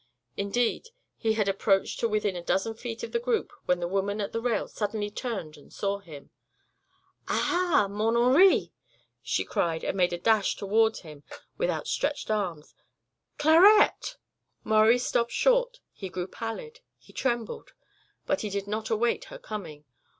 Indeed, he had approached to within a dozen feet of the group when the woman at the rail suddenly turned and saw him. "Aha mon Henri!" she cried and made a dash toward him with outstretched arms. "Clarette!" Maurie stopped short; he grew pallid; he trembled. But he did not await her coming.